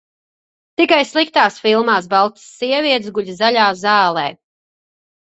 Tikai sliktās filmās baltas sievietes guļ zaļā zālē.